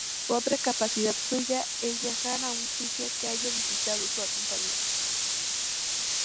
Otra capacidad suya es viajar a un sitio que haya visitado su acompañante.